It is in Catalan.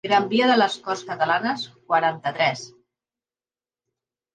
Gran via de les Corts Catalanes quaranta-tres.